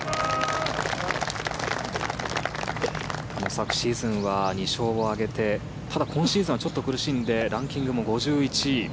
昨シーズンは２勝を挙げてただ、今シーズンはちょっと苦しんでランキングも５１位。